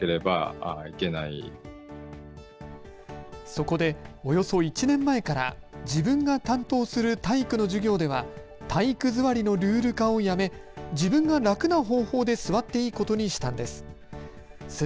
そこで、およそ１年前から自分が担当する体育の授業では体育座りのルール化をやめ自分が楽な方法で座っていいことにしたんです。